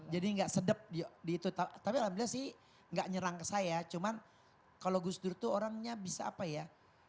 jadi enggak sedep di itu tapi alhamdulillah sih enggak nyerang ke saya cuman kalau gus dur tuh orangnya bisa apa ya